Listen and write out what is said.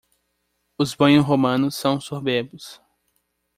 Os banhos romanos são soberbos